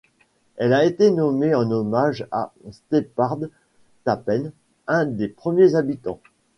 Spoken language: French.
Elle a été nommée en hommage à Sheppard Tappen, un des premiers habitants.